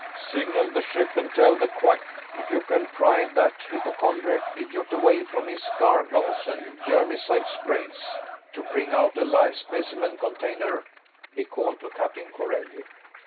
"Signal the ship and tell the Quack if you can pry that hypochondriac idiot away from his gargles and germicide sprays to bring out a live specimen container," he called to Captain Corelli.